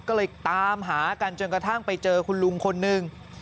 ก็เลยตามหากันจนกระทั่งไปเจอคุณลุงคนหนึ่ง